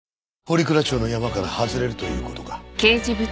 堀倉町のヤマから外れるという事か？